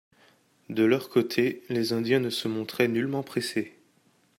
De leur côté, les Indiens ne se montraient nullement pressés.